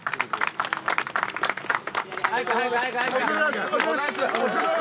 早く、速く、早く！